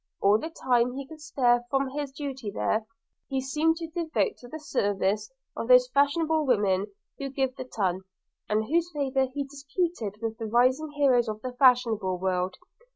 – All the time he could spare from his duty there, he seemed to devote to the service of those fashionable women who give the ton, and whose favour he disputed with the rising heroes of the fashionable world.